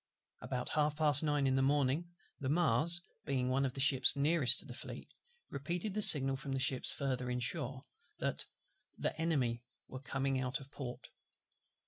About half past nine in the morning, the Mars, being one of the ships nearest to the Fleet, repeated the signal from the ships further in shore, that "the Enemy were coming out of port."